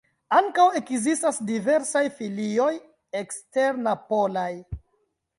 Ankaŭ ekzistas diversaj filioj eksternapolaj.